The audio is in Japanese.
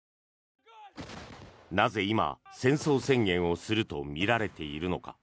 なぜ今、戦争宣言をするとみられているのか。